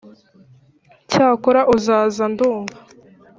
cyakora uzaza ndumva